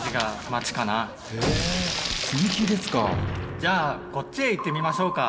じゃあこっちへ行ってみましょうか。